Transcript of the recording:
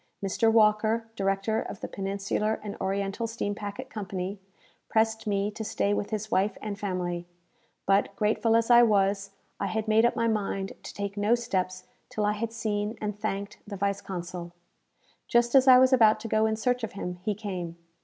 Mr. Walker, director of the Peninsular and Oriental Steam Packet Company, pressed me to stay with his wife and family; but, grateful as I was, I had made up my mind to take no steps till I had seen and thanked the vice consul. Just as I was about to go in search of him, he came.